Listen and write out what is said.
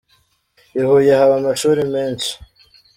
I Huye haba amashuri menshi.